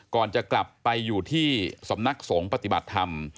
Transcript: ก่อนจะกลับไปอยู่ที่สำนักสงฆ์ปฏิบัติธรรม